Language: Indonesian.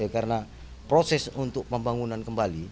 karena proses untuk pembangunan kembali